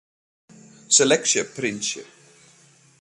Seleksje printsje.